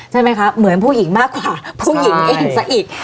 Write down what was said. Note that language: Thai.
ใช่ไหมคะเหมือนผู้หญิงมากกว่าผู้หญิงเองซะอีก